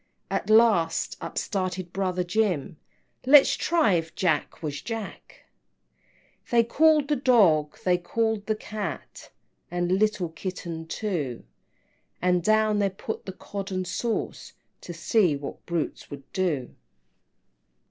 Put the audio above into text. At last up started brother Jim, "Let's try if Jack, was Jack!" XV. They called the Dog, they called the Cat, And little Kitten too, And down they put the Cod and sauce, To see what brutes would do.